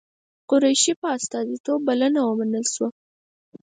قریشي په استازیتوب بلنه ومنل شوه.